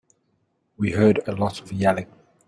We heard a lot of yelling.